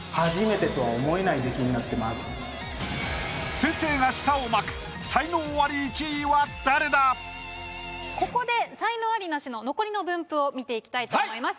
先生が舌を巻くここで才能アリ・ナシの残りの分布を見ていきたいと思います。